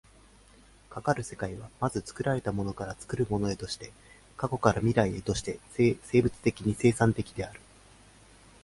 かかる世界は、まず作られたものから作るものへとして、過去から未来へとして生物的に生産的である。